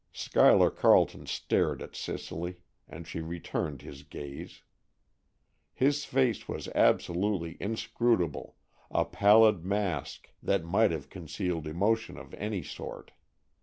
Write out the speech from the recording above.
Schuyler Carleton stared at Cicely, and she returned his gaze. His face was absolutely inscrutable, a pallid mask, that might have concealed emotion of any sort.